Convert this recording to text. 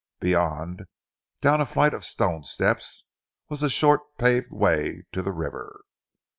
Beyond, down a flight of stone steps, was a short, paved way to the river.